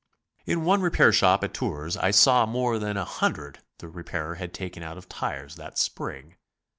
In one repair shop at Tours I saw more than a hundred the repairer had taken out of tires that spring.